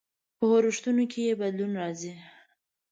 په ارزښتونو کې يې بدلون راځي.